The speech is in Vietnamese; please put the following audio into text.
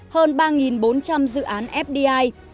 hơn ba bốn trăm linh dự án fdi